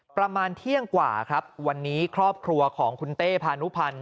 ประมาณเที่ยงกว่าครับวันนี้ครอบครัวของคุณเต้พานุพันธ์